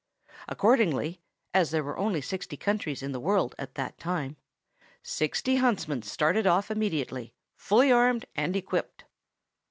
Accordingly, as there were sixty countries in the world at that time, sixty huntsmen started off immediately, fully armed and equipped.